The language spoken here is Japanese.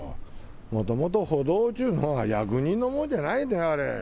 もともと歩道っちゅうのは、役人のものじゃないで、あれ。